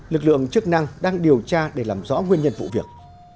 lực lượng chức năng đang điều tra để làm rõ nguyên nhân vụ việc